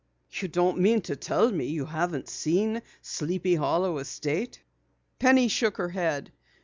You don't mean to tell me you haven't seen Sleepy Hollow estate?" Penny shook her head.